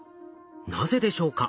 なぜでしょうか？